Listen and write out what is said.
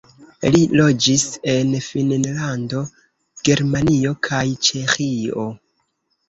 Li loĝis en Finnlando, Germanio kaj Ĉeĥio.